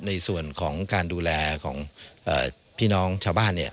ในส่วนของการดูแลของพี่น้องชาวบ้านเนี่ย